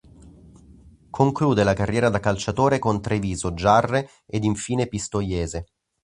Conclude la carriera da calciatore con Treviso, Giarre ed infine Pistoiese.